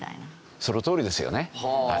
そのとおりですよね。